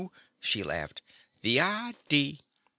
she laughed. "The idee!